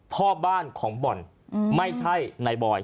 พ่อบ้านของบ่อนไม่ใช่นายบอย